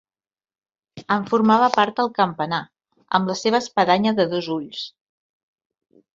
En formava part el campanar, amb la seva espadanya de dos ulls.